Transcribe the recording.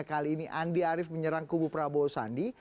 kali ini andi arief menyerang kubu prabowo sandi